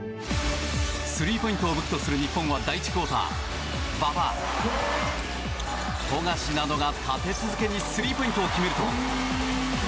スリーポイントを武器とする日本は第１クオーター馬場、富樫などが立て続けにスリーポイントを決めると。